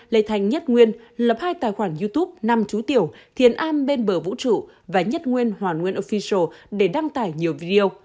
lê thanh nhất nguyên lập hai tài khoản youtube năm chú tiểu thiền an bên bờ vũ trụ và nhất nguyên hoàng nguyên official để đăng tải nhiều video